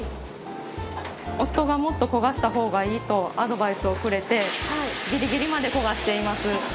夫がもっと焦がした方がいいとアドバイスをくれてギリギリまで焦がしています。